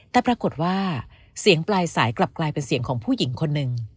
แต่ปรากฏว่าเสียงปลายสายกลับกลายเป็นเสียงของผู้หญิงคนหนึ่ง